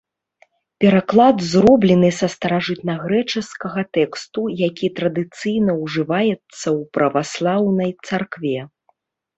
Пераклад зроблены са старажытнагрэчаскага тэксту, які традыцыйна ўжываецца ў праваслаўнай царкве.